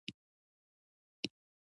ښارونه د افغانانو د ژوند طرز اغېزمنوي.